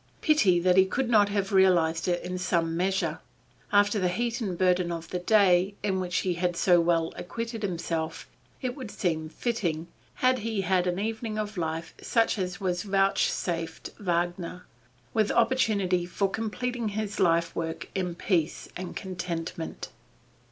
Pity that he could not have realized it in some measure: after the heat and burden of the day, in which he had so well acquitted himself, it would seem fitting, had he had an evening of life such as was vouchsafed Wagner, with opportunity for completing his life work in peace and contentment.